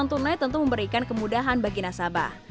hadirnya era non tunai tentu memberikan kemudahan bagi nasabah